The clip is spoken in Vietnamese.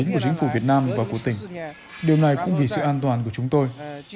của chính phủ việt nam và của tỉnh điều này cũng vì sự an toàn của chúng tôi